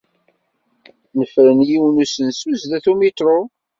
Nefren yiwen n usensu sdat umiṭru.